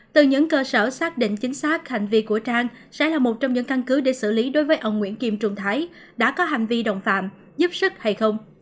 từ những cơ sở xác định chính xác hành vi của trang sẽ là một trong những căn cứ để xử lý đối với ông nguyễn kim trung thái đã có hành vi đồng phạm giúp sức hay không